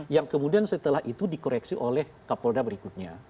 yang kemudian setelah itu dikoreksi oleh kapolda berikutnya